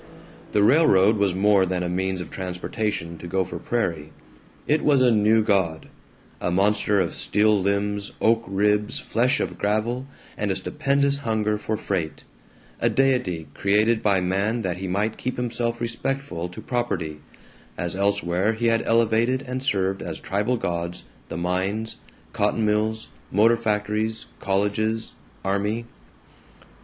The railroad was more than a means of transportation to Gopher Prairie. It was a new god; a monster of steel limbs, oak ribs, flesh of gravel, and a stupendous hunger for freight; a deity created by man that he might keep himself respectful to Property, as elsewhere he had elevated and served as tribal gods the mines, cotton mills, motor factories, colleges, army.